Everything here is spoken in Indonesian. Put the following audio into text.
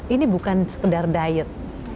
ini bukan sekedar diet